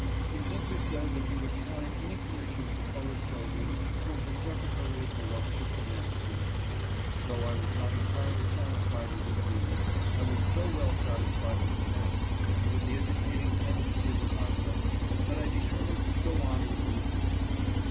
He simply said that he would sign any commission to colored sol diers whom his Secretary of War should commend to him. Though I was not entirely satisfied with his views, I was so well satisfied with the man and with the educating ten dency of the conflict that I determined to go on with the recruiting.